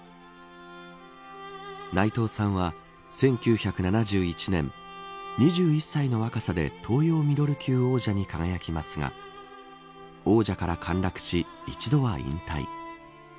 内藤さんは、１９７１年２１歳の若さで東洋ミドル級王者に輝きますが王者から陥落し、一度は引退。